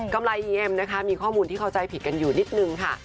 ไรอีเอ็มนะคะมีข้อมูลที่เข้าใจผิดกันอยู่นิดนึงค่ะ